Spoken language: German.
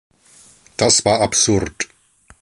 Das war absurd.